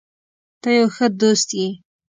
ته یو ښه دوست یې.